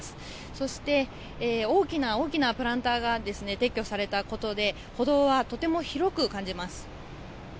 そして、大きな大きなプランターが撤去されたことで歩道はとても広く感じます。